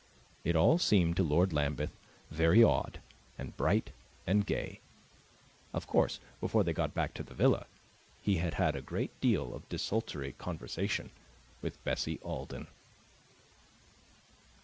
It all seemed to Lord Lambeth very odd, and bright, and gay. Of course, before they got back to the villa, he had had a great deal of desultory conversation with Bessie Alden.